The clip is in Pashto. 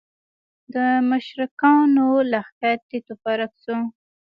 د مشرکانو لښکر تیت و پرک شو.